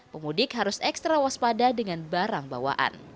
pemudik harus ekstra waspada dengan barang bawaan